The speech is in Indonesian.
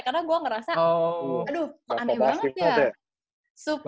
karena gue ngerasa aduh aneh banget ya